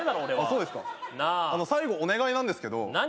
そうですか最後お願いなんですけど何？